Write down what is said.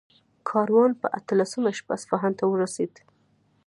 کاروان په اتلسمه شپه اصفهان ته ورسېد.